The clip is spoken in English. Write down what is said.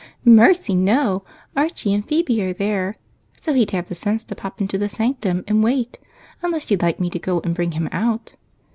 "Mercy, no! Archie and Phebe are there, so he'd have the sense to pop into the sanctum and wait, unless you'd like me to go and bring him out?"